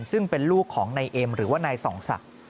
ซึ่งเป็นลูกของนายเอ็มหรือว่านายส่องศักดิ์